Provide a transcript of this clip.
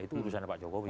itu urusan pak jokowi